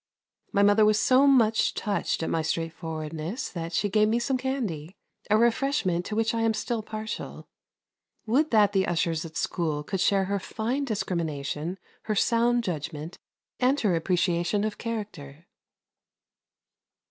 My mother was so much touched at my straightforwardness that she gave me some candy, a refreshment to which I am still partial. Would that the ushers at school could share her fine discrimination, her sound judgment, and her appreciation of character.